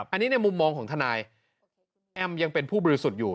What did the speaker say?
อันนี้ในมุมมองของทนายแอมยังเป็นผู้บริสุทธิ์อยู่